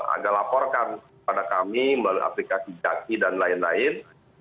agak laporkan pada kami melalui aplikasi jaki dan lain lain